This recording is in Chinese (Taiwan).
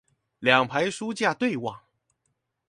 兩排書架對望